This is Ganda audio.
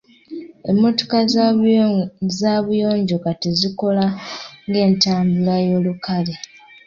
Emmotooka z’abuyonjo kati zikola ng’entambula y’olukale.